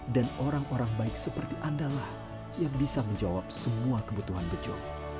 dan orang orang baik seperti andalah yang bisa menjawab semua kebutuhan bejo